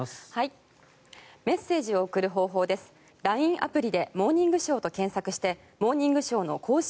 アプリで「モーニングショー」と検索して「モーニングショー」の公式